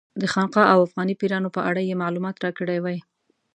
د خانقا او افغاني پیرانو په اړه یې معلومات راکړي وای.